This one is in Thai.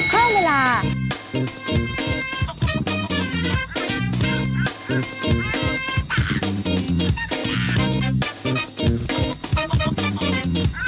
เพิ่มเวลา